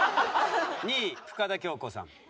２位深田恭子さん。